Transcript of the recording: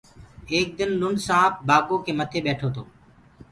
ايڪ دن لُنڊ سآنپ بآگو ڪي متي ٻيٺو تو۔